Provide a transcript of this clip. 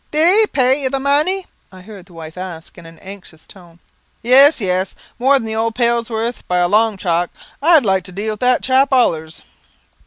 "Did he pay you the money?" I heard the wife ask in an anxious tone. "Yes, yes; more than the old pail was worth by a long chalk. I'd like to deal with that chap allers."